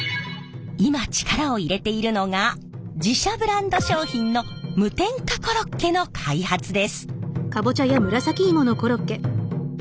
今力を入れているのが自社ブランド商品の無添加コロッケの開発です。